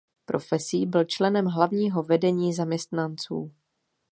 Profesí byl členem hlavního vedení zaměstnanců.